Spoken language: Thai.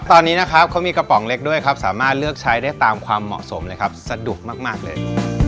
ตอนนี้นะครับเขามีกระป๋องเล็กด้วยครับสามารถเลือกใช้ได้ตามความเหมาะสมเลยครับสะดวกมากเลย